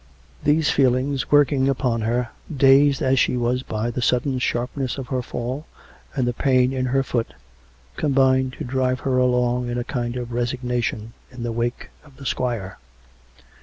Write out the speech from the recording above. These feelings, working upon her, dazed as she was by the sudden sharpness of her fall, and the pain in her foot, combined to drive her along in a kind of resignation in the wake of the squire.